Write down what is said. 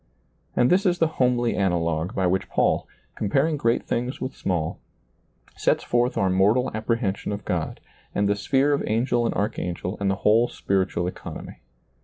And this is the homely analogue by which Paul, comparing great things with small, sets forth our mortal apprehension of God and the sphere of angel and archangel and the whole spiritual economy.